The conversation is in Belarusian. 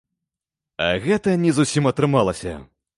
А гэта не зусім атрымалася.